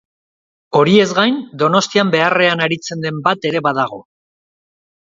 Horiez gain, Donostian beharrean aritzen den bat ere badago.